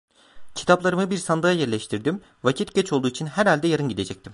Kitaplarımı bir sandığa yerleştirdim, vakit geç olduğu için herhalde yarın gidecektim.